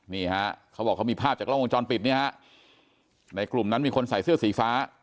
นี่ฮะเขาบอกเขามีภาพจากกล้องวงจรปิดเนี่ยฮะในกลุ่มนั้นมีคนใส่เสื้อสีฟ้า